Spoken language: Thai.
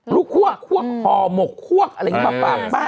ลูกฮวกฮอกห่อหมกฮวกอะไรแบบนั้นป่ะ